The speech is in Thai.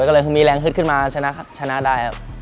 จะมีแรงคลึกขึ้นมาชนะดายครับ